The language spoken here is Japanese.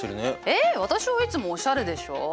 えっ私はいつもおしゃれでしょう？